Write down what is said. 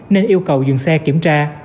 nên yêu cầu dừng xe kiểm tra